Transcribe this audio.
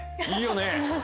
いいよね？